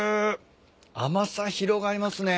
甘さ広がりますね。